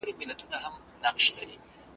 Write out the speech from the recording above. له آسمانه چي به ولیدې کوترو `